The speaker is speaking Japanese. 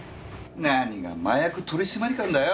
何が麻薬取締官だよ！